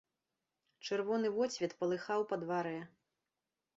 Чырвоны водсвет палыхаў па дварэ.